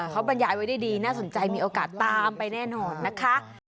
เขาบรรยายไว้ได้ดีน่าสนใจมีโอกาสตามไปแน่นอนนะคะ